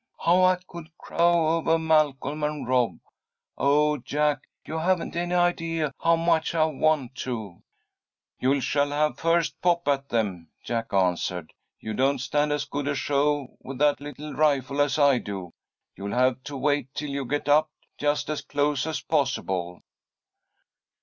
How I could crow ovah Malcolm and Rob. Oh, Jack, you haven't any idea how much I want to!" "You shall have first pop at them," Jack answered. "You don't stand as good a show with that little rifle as I do. You'll have to wait till you get up just as close as possible."